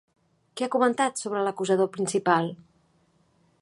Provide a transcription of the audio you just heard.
Què ha comentat sobre l'acusador principal?